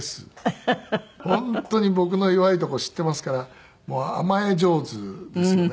本当に僕の弱いとこ知っていますから甘え上手ですよね。